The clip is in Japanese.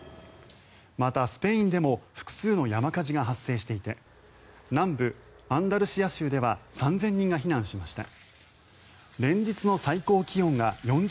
また、スペインでも複数の山火事が発生していて南部アンダルシア州では３０００人が避難しました。